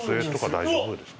大丈夫です。